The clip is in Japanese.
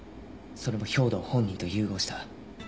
それも兵働本人と融合した。